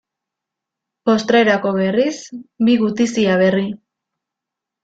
Postrerako berriz, bi gutizia berri.